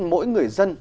mỗi người dân